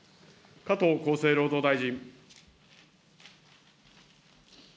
加藤厚生労働大臣。